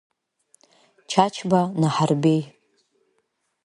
Чачба Наҳарбеи.